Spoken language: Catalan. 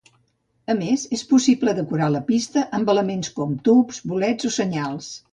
A més, és possible decorar la pista amb elements com tubs, bolets o senyals.